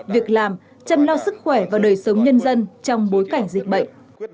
việc làm chăm lo sức khỏe và đời sống nhân dân trong bối cảnh dịch bệnh